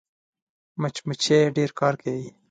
مچمچۍ ډېر کار کوي